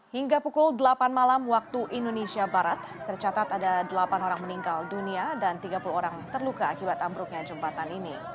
hingga pukul delapan malam waktu indonesia barat tercatat ada delapan orang meninggal dunia dan tiga puluh orang terluka akibat ambruknya jembatan ini